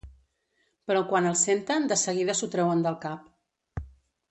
Però quan el senten de seguida s'ho treuen del cap.